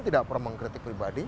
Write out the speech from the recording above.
tidak pernah mengkritik pribadi